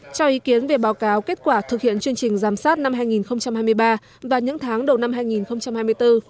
cho ý kiến về báo cáo kết quả thực hiện chương trình giám sát năm hai nghìn hai mươi ba và những tháng đầu năm hai nghìn hai mươi bốn